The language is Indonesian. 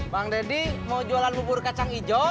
bang deddy mau jualan bubur kacang hijau